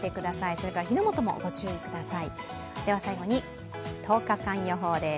それから火の元もご注意ください。